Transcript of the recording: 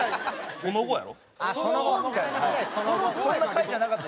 そんな回じゃなかった？